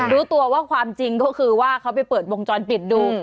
รู้ตัวว่าความจริงก็คือว่าเขาไปเปิดวงจรปิดดู